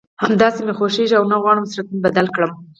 همداسې مې خوښېږي او نه غواړم صورت مې بدل کړم